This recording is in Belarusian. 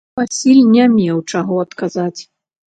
Васіль не меў чаго адказаць.